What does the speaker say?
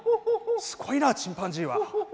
すごいなチンパンジーは。